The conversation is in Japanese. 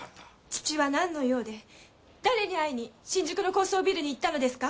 父は何の用で誰に会いに新宿の高層ビルに行ったのですか？